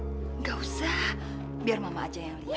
enggak usah biar mama aja yang lihat ya